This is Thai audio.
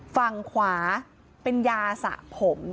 ฝั่งขวาเป็นยาสะผม